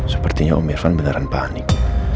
sepertinya om irfan beneran panik